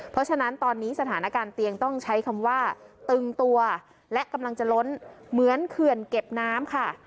เพราะฉะนั้นตอนนี้สถานการณ์เตียงต้องใช้คำว่าตึงตัวและกำลังจะล้นเหมือนเขื่อนเก็บน้ำค่ะ